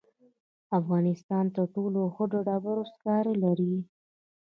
افغانستان تر ټولو ښه د ډبرو سکاره لري.